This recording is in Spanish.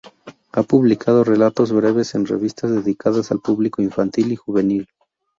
Ha publicado relatos breves en revistas dedicadas al público infantil y juvenil.